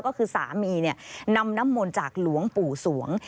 ก็คือสามีนำน้ำมนต์จากหลวงปู่สวง